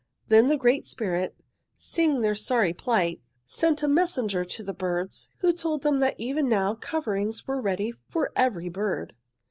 "'Then the Great Spirit, seeing their sorry plight, sent a messenger to the birds, who told them that even now coverings were ready for every bird.